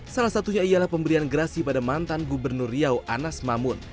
salah satunya ialah pemberian gerasi pada mantan gubernur riau anas mamun